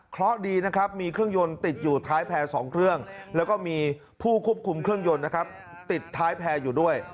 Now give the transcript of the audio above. เพราะดีนะครับมีเครื่องยนต์ติดอยู่ท้ายแพร่๒เครื่องแล้วก็มีผู้ควบคุมเครื่องยนต์นะครับติดท้ายแพร่อยู่ด้วย